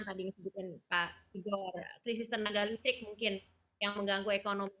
tadi yang disebutin pak igor krisis tenaga listrik mungkin yang mengganggu ekonomi